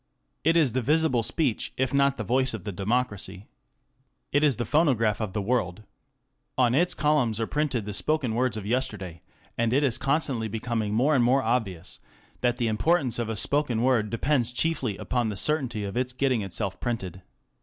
It is the visible speech if not the voice of the democracy. It is the phonograph of the world. On its columns are printed the spoken words of yesterday, and it is constantly L becoming more and more obvious that the importance of a spoken word depends chiefly upon the certainty of its getting itself printed.